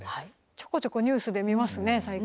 ちょこちょこニュースで見ますね最近。